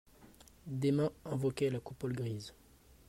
Des mains invoquaient la coupole grise.